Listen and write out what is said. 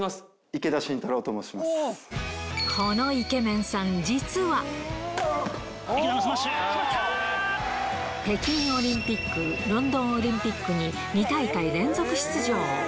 池田のスマッシュ、決まった北京オリンピック、ロンドンオリンピックに２大会連続出場。